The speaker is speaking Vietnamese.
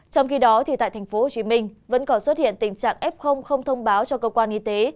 trong khi đó tại tp hcm vẫn còn xuất hiện tình trạng f không thông báo cho cơ quan y tế